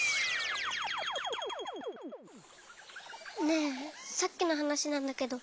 ねえさっきのはなしなんだけど。